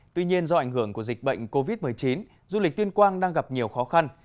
tuy nhiên do ảnh hưởng của dịch bệnh covid một mươi chín du lịch tuyên quang đang gặp nhiều khó khăn